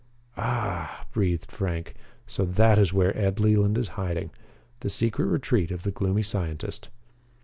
"Ah h h!" breathed Frank. "So that is where Ed Leland is hiding! The secret retreat of the gloomy scientist!"